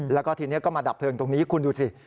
แล้วก็ทีนี้ก็มาดับเพลิงตรงนี้คุณดูสิ